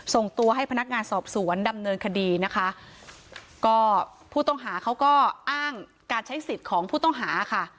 ส่งตัวให้พนักงานสอบสวนดำเนินคดีนะคะก็ผู้ต้องหาเขาก็อ้างการใช้สิทธิ์ของผู้ต้องหาค่ะ